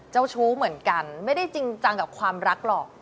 เจ้าชู้เหมือนกันไม่ได้จริงจังกับความรักหรอก